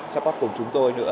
support cùng chúng tôi nữa